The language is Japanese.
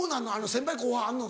先輩後輩あんの？